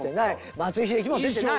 松井秀喜も出てない。